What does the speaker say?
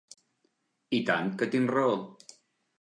I tant que tinc raó.